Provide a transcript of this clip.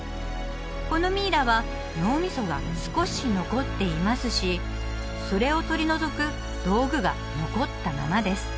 このミイラは脳みそが少し残っていますしそれを取り除く道具が残ったままです